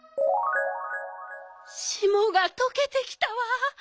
しもがとけてきたわ。